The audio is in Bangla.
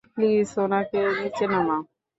প্লিজ ওনাকে নিচে নামাও।